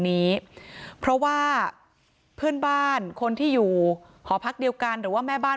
นี้เพราะว่าเพื่อนบ้านคนที่อยู่หอพักเดียวกันหรือว่าแม่บ้าน